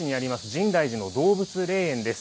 深大寺の動物霊園です。